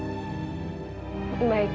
baik permisi assalamualaikum